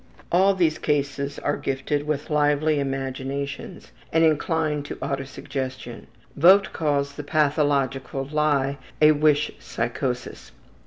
All these cases are gifted with lively imaginations and inclined to autosuggestion. Vogt calls the pathological lie a wish psychosis.